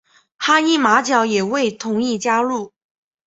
哈伊马角也未同意加入。